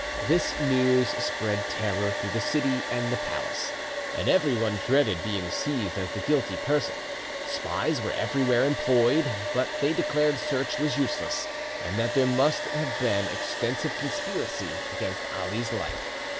This news spread terror through the city and the palace, and everyone dreaded being seized as the guilty person. Spies were everywhere employed, but they declared search was useless, and that there must bean extensive conspiracy against Ali's life.